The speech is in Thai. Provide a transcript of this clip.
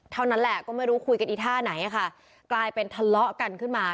เท่านั้นแหละก็ไม่รู้คุยกันอีท่าไหนอะค่ะกลายเป็นทะเลาะกันขึ้นมา